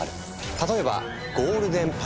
例えば「ゴールデンパラシュート」。